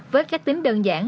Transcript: với cách tính đơn giản